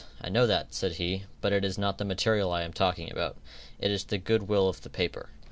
"I know that," said he, "but it is not the material that I am talking about. It is the good will of the paper."